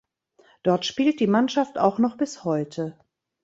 Dort spielt die Mannschaft auch noch bis heute.